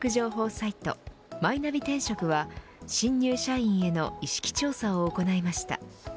サイトマイナビ転職は新入社員への意識調査を行いました。